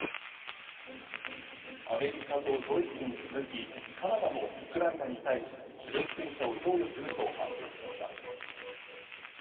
アメリカとドイツに続き、カナダもウクライナに対し、主力戦車を供与すると発表しました。